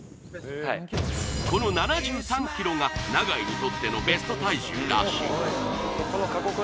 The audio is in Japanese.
この７３ｋｇが永井にとってのベスト体重らしい